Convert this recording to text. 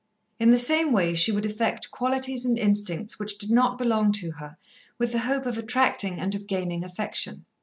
In the same way, she would affect qualities and instincts which did not belong to her, with the hope of attracting, and of gaining affection.